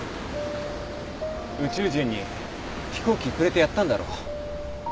宇宙人に飛行機くれてやったんだろ。